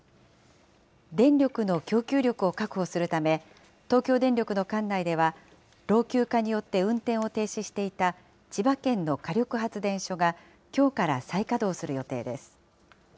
電力の供給力を確保するため、東京電力の管内では、老朽化によって運転を停止していた、千葉県の火力発電所が、きょうから再稼働する予定です。